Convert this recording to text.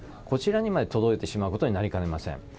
こちらにまで届いてしまうことになりかねません。